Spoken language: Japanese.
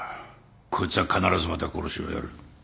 こいつは必ずまた殺しをやる。